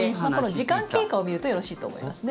時間経過を見るとよろしいと思いますね。